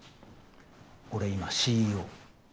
俺今ＣＥＯ。